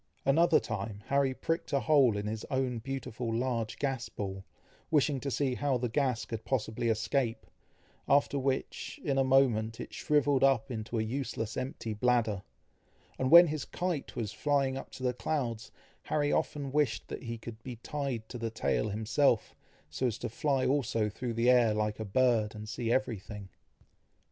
Another time, Harry pricked a hole in his own beautiful large gas ball, wishing to see how the gas could possibly escape, after which, in a moment, it shrivelled up into a useless empty bladder, and when his kite was flying up to the clouds, Harry often wished that he could be tied to the tail himself, so as to fly also through the air like a bird, and see every thing.